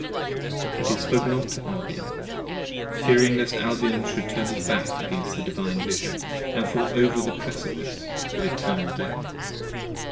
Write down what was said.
But he spoke not to Albion: fearing lest Albion should turn his Back Against the Divine Vision: & fall over the Precipice of Eternal Death.